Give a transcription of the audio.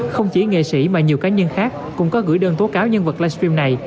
không chỉ nghệ sĩ mà nhiều cá nhân khác cũng có gửi đơn tố cáo nhân vật livestream này